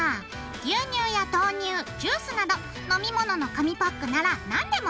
牛乳や豆乳ジュースなど飲み物の紙パックなら何でもＯＫ！